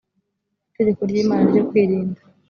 itegeko ry imana ryo kwirinda